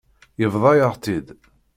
Yebḍa-yaɣ-tt-id.